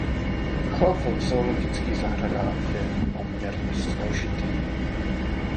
Chov v zoologických zahradách je poměrně složitý.